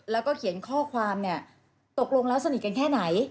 แล้วก็เขียนข้อความเนี่ยตกลงแล้วสนิทกันแค่ไหน